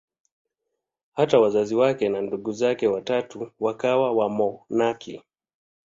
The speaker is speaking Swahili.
Hata wazazi wake na ndugu zake watatu wakawa wamonaki.